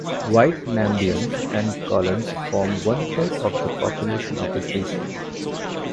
White Namabians and Colourds form one third of the population of this region.